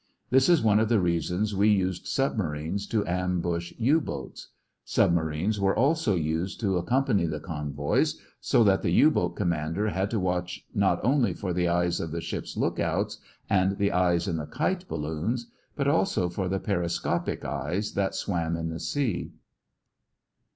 This is one of the reasons we used submarines to ambush U boats." Submarines were also used to accompany the convoys, so that the U boat commander had to watch not only for the eyes of the ship's lookouts and the eyes in the kite balloons, but also for the periscope eyes that swam in the sea.